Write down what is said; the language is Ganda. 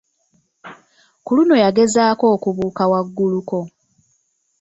Kuluno yagezaako okubuuka waggulu ko.